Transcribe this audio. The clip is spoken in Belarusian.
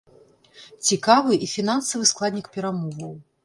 Цікавы і фінансавы складнік перамоваў.